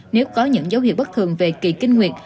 nếu có những dấu hiệu bất thường về kỳ kinh nguyệt